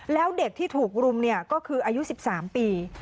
แล้วเด็กที่ถูกรุมก็คืออายุ๑๓ปี